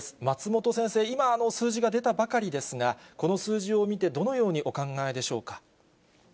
松本先生、今、数字が出たばかりですが、この数字を見て、どのようにお考えでしょうか。